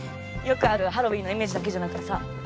よくあるハロウィーンのイメージだけじゃなくてさ。